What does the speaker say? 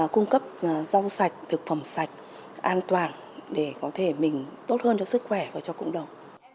cung cấp rau sạch thực phẩm sạch an toàn để có thể mình tốt hơn cho sức khỏe và cho cộng đồng